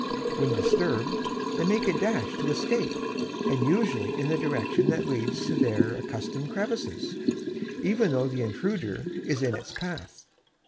When disturbed they make a dash to escape and usually in the direction that leads to their accustomed crevice, even though the intruder is in its path.